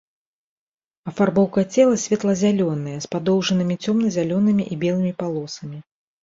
Афарбоўка цела светла-зялёная з падоўжнымі цёмна-зялёнымі і белымі палосамі.